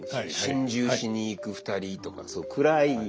心中しに行く２人とか暗い。